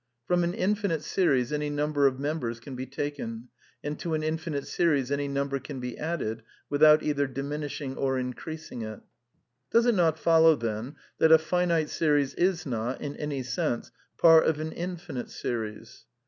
From an infinite series any number of members can be taken and to an infinite series any number can be added without either diminishing or increasing it. Does it not follow, then, that a finite series is not, in*^ any sense, part of an infinite series